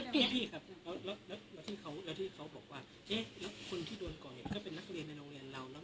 พี่พี่ครับแล้วแล้วที่เขาแล้วที่เขาบอกว่าเจ๊แล้วคนที่โดนก่อน